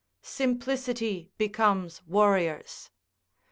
["Simplicity becomes warriors."